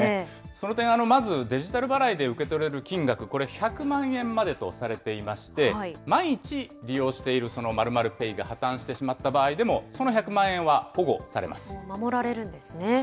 その点、まずデジタル払いで受け取れる金額、これ、１００万円までとされていまして、万一、利用しているその○○ペイが破綻してしまった場合でも、その１０守られるんですね。